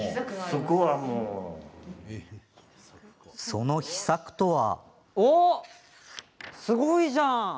その秘策とは？